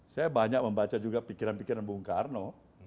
saya banyak membaca juga pikiran pikiran bung karno